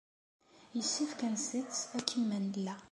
Yessefk ad nsett akken ma nella.